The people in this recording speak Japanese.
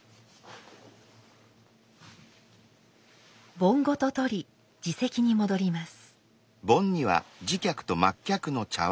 盆ごと取り自席に戻ります。